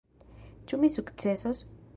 Ĉu mi sukcesos?